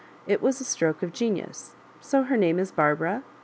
•* It was a stroke of genius. So her name is Barbara